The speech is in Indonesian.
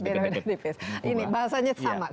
ini bahasanya sama